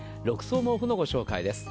６層毛布のご紹介です。